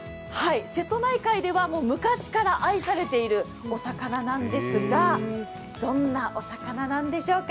瀬戸内海では昔から愛されているお魚なんですが、どんなお魚なんでしょうか。